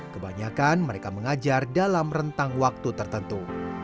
kebanyakan mereka mengajar dalam rentang waktu tertentu